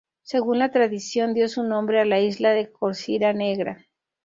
Según la tradición, dio su nombre a la isla de Corcira Negra.